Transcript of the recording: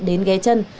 đến ghé chân